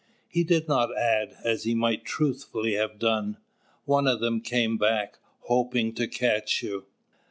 He did not add, as he might truthfully have done: "One of them came back, hoping to catch you."